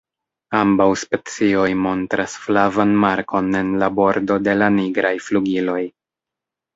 Ambaŭ specioj montras flavan markon en la bordo de la nigraj flugiloj.